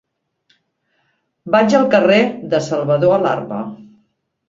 Vaig al carrer de Salvador Alarma.